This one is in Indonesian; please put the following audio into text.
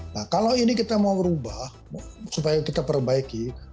nah kalau ini kita mau berubah supaya kita perbaiki